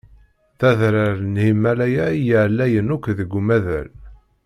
D adrar n Himalaya i yeɛlayen akk deg umaḍal.